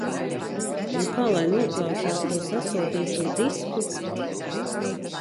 Un kā lai noklausās to sasodīto disku?...